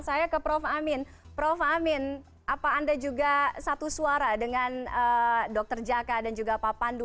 saya ke prof amin prof amin apa anda juga satu suara dengan dr jaka dan juga pak pandu